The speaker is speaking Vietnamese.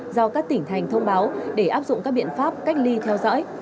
do các tỉnh thành thông báo để áp dụng các biện pháp cách ly theo dõi